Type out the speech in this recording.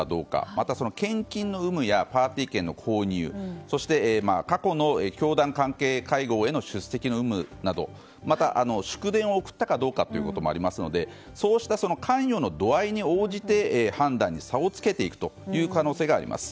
また、献金の有無やパーティー券の購入そして、過去の教団関係会合への出席の有無などまた祝電を送ったかどうかということもありますのでそうした関与の度合いに応じて判断に差をつけていくという可能性があります。